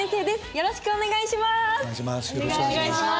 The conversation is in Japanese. よろしくお願いします。